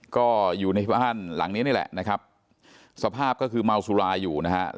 ก็อยู่ในบ้านหลังนี้นี่แหละนะครับสภาพก็คือเมาสุราอยู่นะฮะ